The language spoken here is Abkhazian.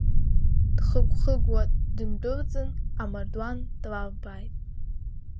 Дхыгәхыгәуа дындәылҵын, амардуан длалбааит.